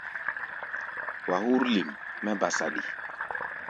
Wa hú̧r lim mɛ́ ba saɗi.